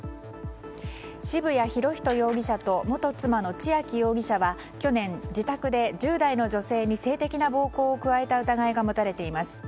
渋谷博仁容疑者と元妻の千秋容疑者は去年、自宅で１０代の女性に性的な暴行を加えた疑いが持たれています。